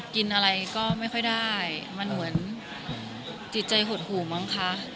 กินอะไรก็ไม่ค่อยได้มันเหมือนจิตใจหดหูมั้งคะ